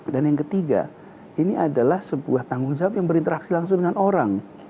dan yang ketiga ini adalah sebuah tanggung jawab yang berinteraksi langsung dengan orang